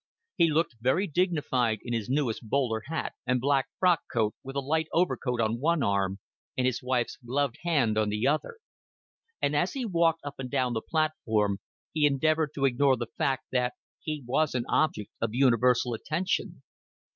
He looked very dignified in his newest bowler hat and black frock coat, with a light overcoat on one arm and his wife's gloved hand on the other; and as he walked up and down the platform he endeavored to ignore the fact that he was an object of universal attention.